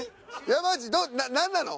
山内何なの？